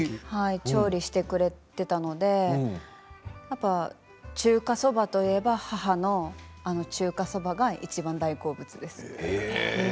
調理してくれていたので中華そばといえば母のあの中華そばがいちばん大好物です。